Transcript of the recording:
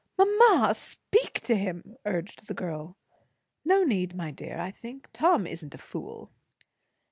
"Mamma! speak to him," urged the girl. "No need, my dear, I think. Tom isn't a fool."